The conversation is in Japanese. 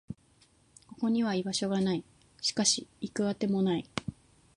ここには居場所がない。しかし、行く当てもない。